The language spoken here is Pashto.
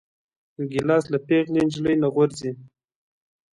ګیلاس له پېغلې نجلۍ نه غورځي.